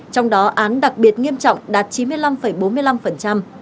trong đó án đặc biệt nghiêm trọng đạt chín mươi năm bốn mươi năm